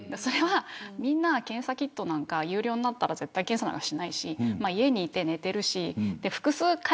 みんな検査キットなんか有料になったら検査なんかしないし家にいて寝てるし複数回